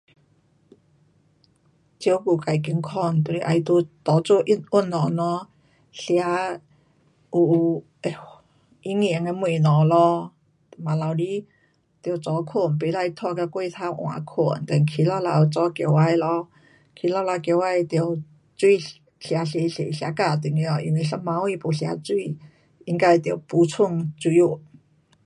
照顾自健康就是得多，多做运动咯。吃有会营养的东西咯。晚头里得早睡，不可拖到过头晚睡 then 起早头早起来咯。早起头起来得水吃多多,吃加一点，因为一晚上没吃水，应该得补充水份。